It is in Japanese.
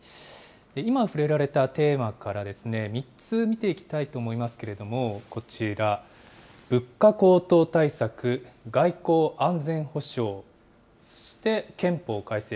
今触れられたテーマから３つ見ていきたいと思いますけれども、こちら、物価高騰対策、外交・安全保障、そして憲法改正。